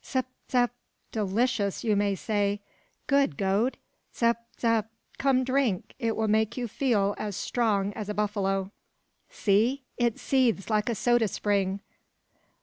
Tsap tsap! delicious you may say, good Gode. Tsap tsap! Come, drink! it'll make you feel as strong as a buffalo. See! it seethes like a soda spring!